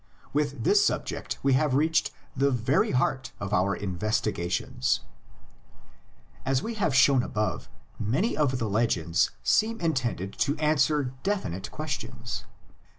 With this subject we have reached the very heart of our investigations. As has been shown above, many of the legends seem intended to answer definite questions.